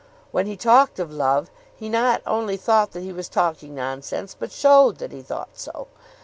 When he talked of love, he not only thought that he was talking nonsense, but showed that he thought so.